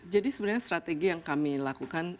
jadi sebenarnya strategi yang kami lakukan